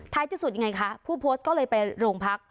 ที่สุดยังไงคะผู้โพสต์ก็เลยไปโรงพัก